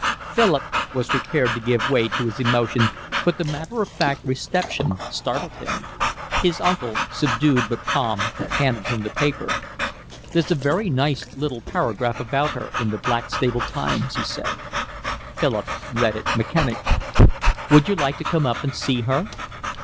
Philip was prepared to give way to his emotion, but the matter of fact reception startled him. His uncle, subdued but calm, handed him the paper. "There's a very nice little paragraph about her in The Blackstable Times," he said. Philip read it mechanically. "Would you like to come up and see her?"